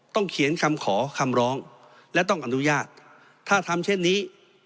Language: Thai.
เขียนคำขอคำร้องและต้องอนุญาตถ้าทำเช่นนี้